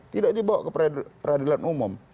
tidak dibawa ke peradilan umum